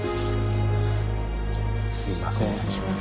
すいません